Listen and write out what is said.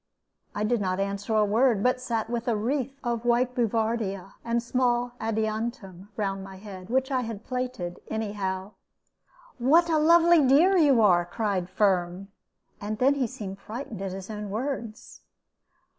I did not answer a word, but sat with a wreath of white bouvardia and small adiantum round my head, which I had plaited anyhow. "What a lovely dear you are!" cried Firm, and then he seemed frightened at his own words.